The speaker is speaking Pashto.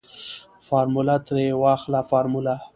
فارموله تې واخله فارموله.